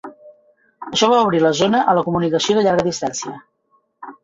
Això va obrir la zona a la comunicació de llarga distància.